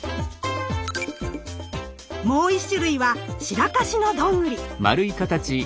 もう１種類はシラカシのどんぐり。